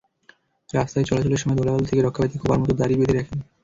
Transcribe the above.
রাস্তায় চলাচলের সময় ধুলাবালু থেকে রক্ষা পেতে খোঁপার মতো দাড়ি বেঁধে রাখেন।